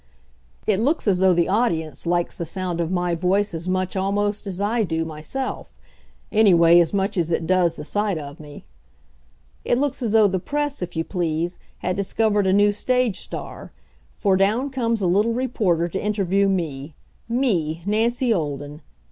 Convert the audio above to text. It looks as though the audience likes the sound of my voice as much almost as I do myself; anyway, as much as it does the sight of me. It looks as though the press, if you please, had discovered a new stage star, for down comes a little reporter to interview me me, Nancy Olden!